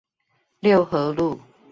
六和路